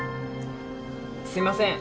すいません。